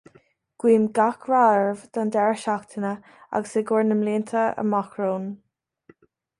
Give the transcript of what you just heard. Guím gach rath oraibh don deireadh seachtaine agus i gcomhair na mblianta amach romhainn